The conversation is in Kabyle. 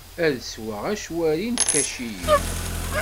Ad sweɣ acwari n tkaciyin.